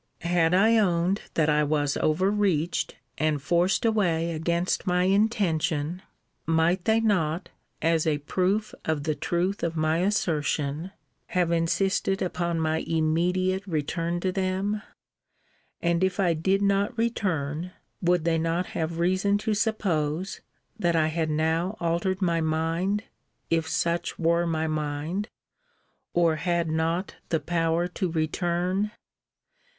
Had I owned that I was overreached, and forced away against my intention, might they not, as a proof of the truth of my assertion, have insisted upon my immediate return to them? And, if I did not return, would they not have reason to suppose, that I had now altered my mind (if such were my mind) or had not the power to return?